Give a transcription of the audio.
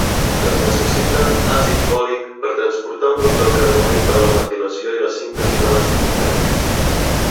Es necessita àcid fòlic per transportar un grup del carboni per a la metilació i la síntesi de l"àcid nucleic.